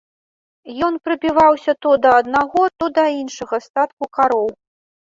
Ён прыбіваўся то да аднаго, то да іншага статку кароў.